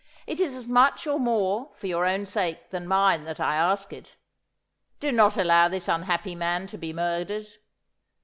'It is as much, or more, for your own sake than mine that I ask it. Do not allow this unhappy man to be murdered.